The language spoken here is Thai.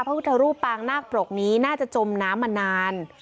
พระพุทธรูปปางนาคปรกนี้น่าจะจมน้ำมานาน